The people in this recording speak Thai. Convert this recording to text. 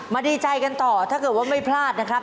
ดีใจกันต่อถ้าเกิดว่าไม่พลาดนะครับ